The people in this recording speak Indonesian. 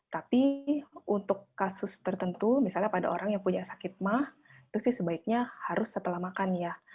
tapi untuk kasus tertentu misalnya pada orang yang punya sakit mah itu sih sebaiknya harus setelah makan ya